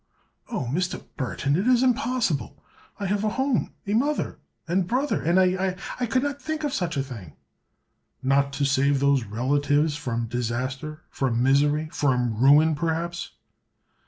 "Oh, Mr. Burthon, it is impossible! I have a home, a mother and brother, and—I—I could not think of such a thing." "Not to save those relatives from disaster—from misery—from ruin, perhaps?"